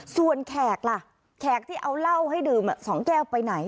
ส่วนแขกล่ะแขกที่เอาเหล้าให้ดื่ม๒แก้วไปไหน